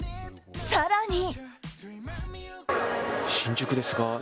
更に。